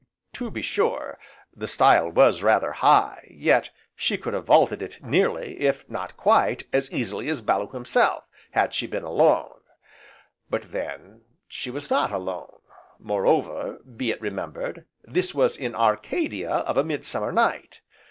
To be sure, the stile was rather high, yet she could have vaulted it nearly, if not quite, as easily as Bellew himself, had she been alone. But then, she was not alone, moreover, be it remembered, this was in Arcadia of a mid summer night.